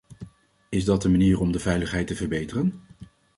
Is dat de manier om de veiligheid te verbeteren?